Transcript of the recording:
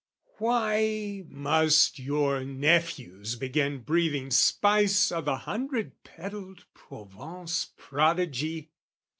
Why must your nephews begin breathing spice O' the hundred petalled Provence prodigy?